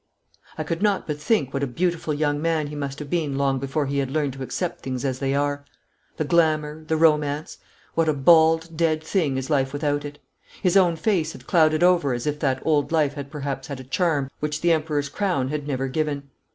I could not but think what a beautiful young man he must have been before he had learned to accept things as they are. The glamour, the romance what a bald dead thing is life without it! His own face had clouded over as if that old life had perhaps had a charm which the Emperor's crown had never given.